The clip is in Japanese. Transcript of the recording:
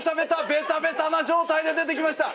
ベタベタな状態で出てきました！